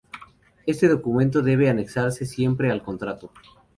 Este documento debe anexarse siempre al contrato.